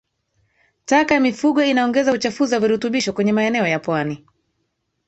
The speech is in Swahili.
Taka ya mifugo inaongeza uchafuzi wa virutubisho kwenye maeneo ya pwani